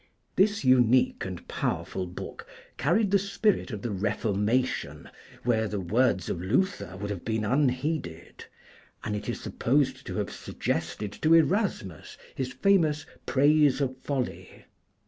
This unique and powerful book carried the spirit of the Reformation where the words of Luther would have been unheeded, and it is supposed to have suggested to Erasmus his famous 'Praise of Folly.'